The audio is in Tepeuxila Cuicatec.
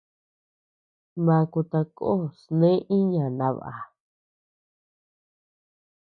Baku tako sne iña naba.